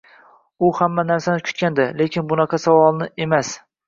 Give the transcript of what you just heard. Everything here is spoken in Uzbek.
U hamma narsani kutgandi, lekin bunaqa savolni emas.